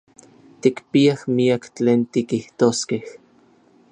Tikpiaj miak tlen tikijtoskej.